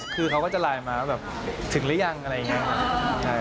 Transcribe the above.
คือเขาก็จะไลน์มาว่าแบบถึงหรือยังอะไรอย่างนี้